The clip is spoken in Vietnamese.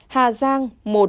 một hà giang